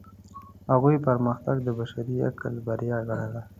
هغوی پرمختګ د بشري عقل بریا ګڼله.